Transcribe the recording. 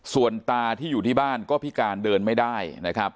ส่วนตาที่อยู่ที่บ้านก็พิการเดินไม่ได้นะครับ